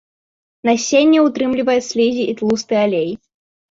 Насенне ўтрымлівае слізі і тлусты алей.